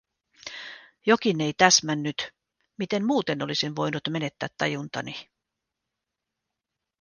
Jokin ei täsmännyt… Miten muuten olisin voinut menettää tajuntani?